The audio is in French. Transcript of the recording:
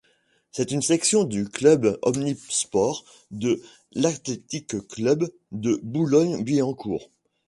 C'est une section du club omnisports de l'Athletic Club de Boulogne-Billancourt.